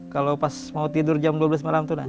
kalau pas mau tidur jam dua belas malam itu